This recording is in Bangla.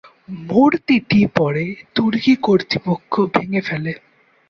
মূর্তিটি পরে তুর্কি কর্তৃপক্ষ ভেঙে ফেলে।